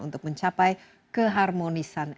untuk mencapai keharmonisan